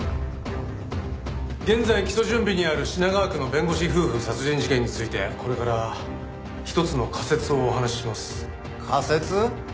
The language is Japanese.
現在起訴準備にある品川区の弁護士夫婦殺人事件についてこれから一つの仮説をお話しします。仮説？